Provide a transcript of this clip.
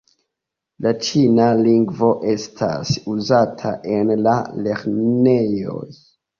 La ĉina lingvo estas uzata en la lernejoj.